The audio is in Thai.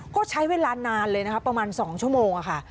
ก็ใช้เวลานานเลยนะคะประมาณ๒ชั่วโมงค่ะ